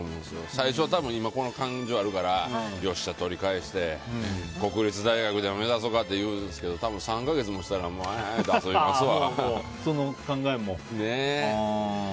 最初はこの感情があるからよっしゃ、取り返して国立大学でも目指そうかて言うんですけど多分３か月もしたらもうええって遊びますわ。